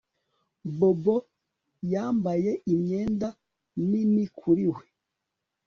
Bobo yambaye imyenda nini kuri we